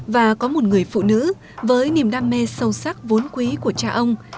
và có một người phụ nữ với niềm đam mê sâu sắc vốn quý của cha ông